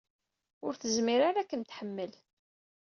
Ur tezmir ara ad kem-tḥemmel.